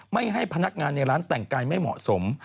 ไม่ให้พนักงานในร้านแต่งกายไม่เหมาะสม